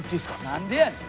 何でやねん！